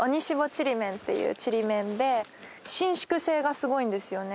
ちりめんっていうちりめんで伸縮性がすごいんですよね